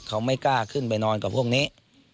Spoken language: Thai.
เขาไม่กล้าขึ้นไปนอนกับพวกนี้